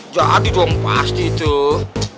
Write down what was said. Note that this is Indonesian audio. jadi dong pasti tuh